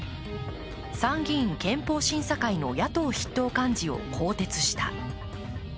参議院憲法審査会の野党筆頭幹事を更迭した。